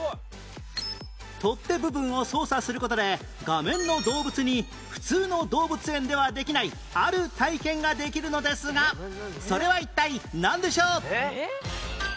取っ手部分を操作する事で画面の動物に普通の動物園ではできないある体験ができるのですがそれは一体なんでしょう？